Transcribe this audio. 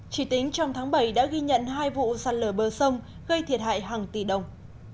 chỉ tính trong tháng bảy đã ghi nhận hai vụ sạt lở bờ sông gây thiệt hại hàng tỷ đồng